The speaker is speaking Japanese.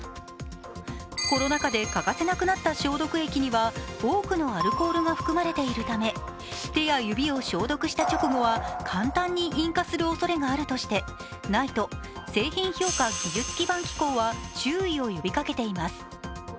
コロナ禍で欠かせなくなった消毒液には多くのアルコールが含まれているため手や指を消毒した直後は簡単に引火するおそれがあるとしてＮＩＴＥ＝製品評価技術基盤機構は注意を呼びかけています。